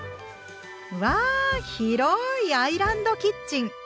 うわ広いアイランドキッチン！